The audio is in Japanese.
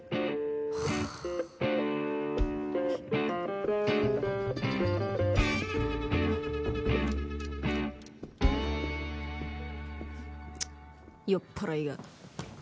チッ酔っ払いが。